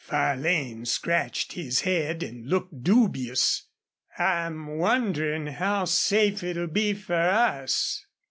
Farlane scratched his head and looked dubious. "I'm wonderin' how safe it'll be fer us."